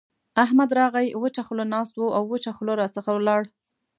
احمد راغی؛ وچه خوله ناست وو او وچه خوله راڅخه ولاړ.